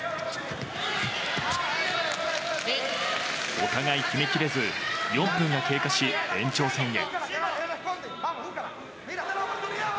お互い決めきれず４分が経過し延長戦へ。